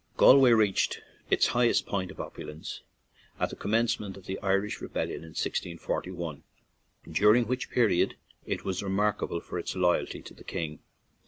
Galway reached its high est point of opulence at the commence ment of the Irish rebellion of 1 641, dur ing which period it was remarkable for its loyalty to the king.